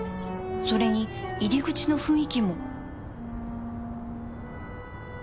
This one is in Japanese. それに入り口の雰囲気も